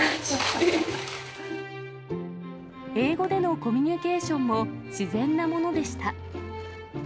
英語でのコミュニケーションも自然なものでした。